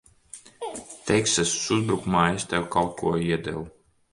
Teksasas uzbrukumā es tev kaut ko iedevu.